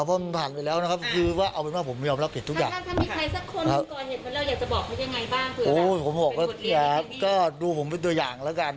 ผมขอว่าเหลียดก็ดูผมด้วยอย่างแล้วกัน